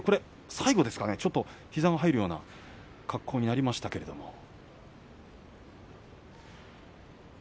最後ですかね、膝が入るような格好になりましたけれども。